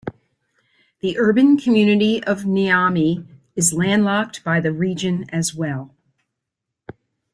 The urban community of Niamey is landlocked by the region as well.